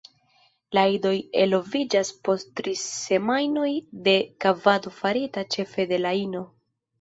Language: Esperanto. La idoj eloviĝas post tri semajnoj de kovado farita ĉefe de la ino.